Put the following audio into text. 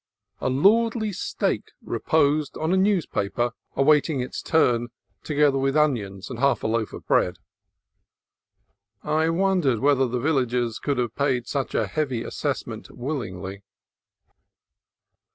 A lordly steak reposed on a news paper awaiting its turn, together with onions and half a loaf of bread. I wondered whether the villagers could have paid such a heavy assessment willingly.